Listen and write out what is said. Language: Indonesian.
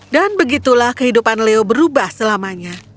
dan begitulah kehidupan leo berubah selamanya